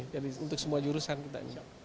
jadi untuk semua jurusan kita